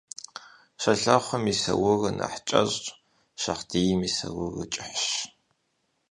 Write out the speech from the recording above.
Щолэхъум и саурыр нэхъ кӀэщӀщ, шагъдийм и саурыр кӀыхьщ.